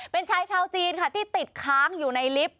เป็นชายชาวจีนค่ะที่ติดค้างอยู่ในลิฟต์